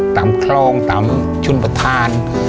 ตามคลองตามชนประธาน